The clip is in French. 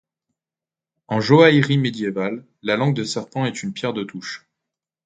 En joaillerie médiévale, la langue de serpent est une pierre de touche.